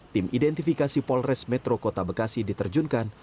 tim identifikasi polres metro kota bekasi diterjunkan